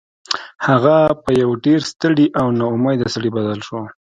هغه په یو ډیر ستړي او ناامیده سړي بدل شو